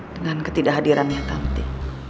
dengan ketidakhadirannya tanti